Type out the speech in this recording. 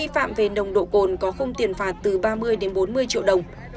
phạt từ ba mươi đến bốn mươi triệu đồng